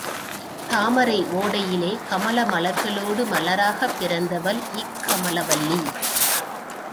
தாமரை ஓடையிலே கமல மலர்களோடு மலராகப் பிறந்தவள் இக்கமலவல்லி.